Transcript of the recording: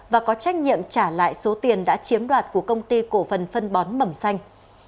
và có trách nhiệm trả lại số tiền đã chiếm đoạt của công ty cổ phần phân bón mầm xanh